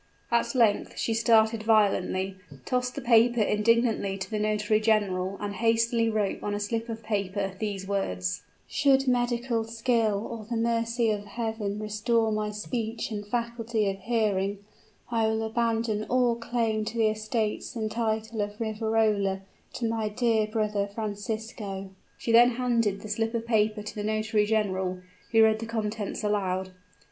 At length she started violently, tossed the paper indignantly to the notary general, and hastily wrote on a slip of paper these words: "Should medical skill or the mercy of Heaven restore my speech and faculty of hearing, I will abandon all claim to the estates and title of Riverola to my dear brother Francisco." She then handed the slip of paper to the notary general, who read the contents aloud.